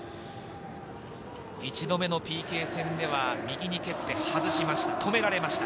１度目のＰＫ戦では右に蹴って外しました、止められました。